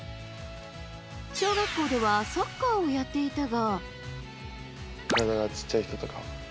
小学校ではサッカーをやっていたが。